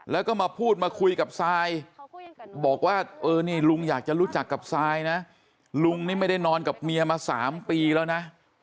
แล้วก็มาพูดมาคุยกับซายบอกว่าเออนี่ลุงอยากจะรู้จักกับซายนะลุงนี่ไม่ได้นอนกับเมียมา๓ปีแล้วนะ